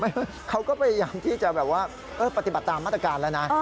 เขาก็พยายามที่จะแบบว่าปฏิบัติตามมาตรการแล้วนะ